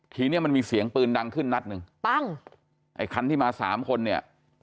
เนี้ยมันมีเสียงปืนดังขึ้นนัดหนึ่งปั้งไอ้คันที่มาสามคนเนี่ย